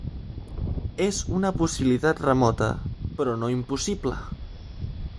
És una possibilitat remota, però no impossible.